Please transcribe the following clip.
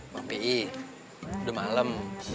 bang pi udah malem